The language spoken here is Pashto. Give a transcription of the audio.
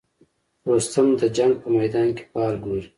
رستم د جنګ په میدان کې فال ګوري.